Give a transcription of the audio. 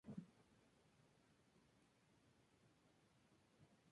De los ocho solo sobrevivieron tres, dados los escasos medios de la familia.